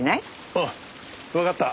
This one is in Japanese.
ああわかった。